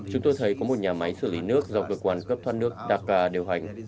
chúng tôi thấy có một nhà máy xử lý nước do cơ quan cấp thoát nước dakar điều hành